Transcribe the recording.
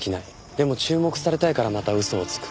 でも注目されたいからまた嘘をつく。